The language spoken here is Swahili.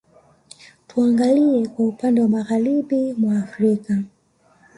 Tuangalie kwa upande wa Magharibi mwa Afrika